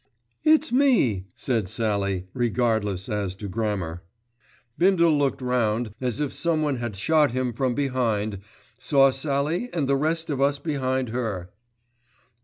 "It's me," said Sallie, regardless as to grammar. Bindle looked round as if someone had shot him from behind, saw Sallie and the rest of us behind her.